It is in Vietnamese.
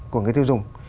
của người tiêu dùng